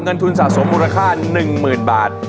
ทุนสะสมมูลค่า๑๐๐๐บาท